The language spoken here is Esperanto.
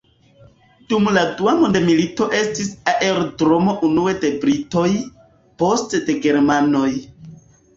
Dum la Dua mondmilito estis aerodromo unue de britoj, poste de germanoj.